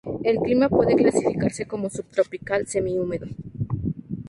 El clima puede clasificarse como subtropical, semihúmedo.